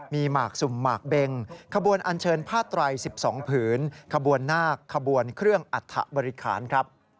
มีหมากสุ่มหมากเบงขบวนอันเชิญผ้าไตร๑๒ผืนขบวนนาคขบวนเครื่องอัฐบริคารครับ